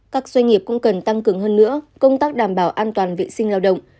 các doanh nghiệp cũng cần tăng cường hơn nữa công tác đảm bảo an toàn vệ sinh lao động